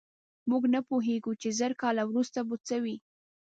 موږ نه پوهېږو، چې زر کاله وروسته به څه وي.